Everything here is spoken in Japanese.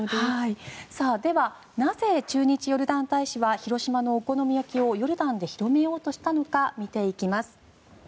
では、なぜ駐日ヨルダン大使は広島のお好み焼きをヨルダンで広めようとしたのか見ていきます。